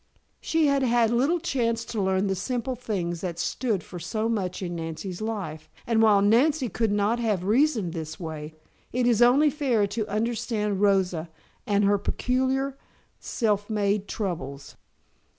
She had had little chance to learn the simple things that stood for so much in Nancy's life, and while Nancy could not have reasoned this way, it is only fair to understand Rosa and her peculiar self made troubles.